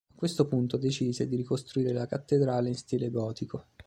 A questo punto decise di ricostruire la cattedrale in stile gotico.